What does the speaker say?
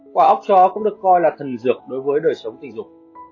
quả ốc chó cũng được coi là thần dược đối với đời sống tình dục